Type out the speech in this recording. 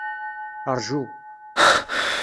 Ṛju.